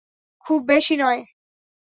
খুব বেশি নয়।